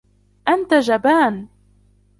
أنتَ جبان!